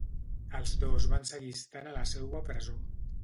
Els dos van seguir estant a la seua presó.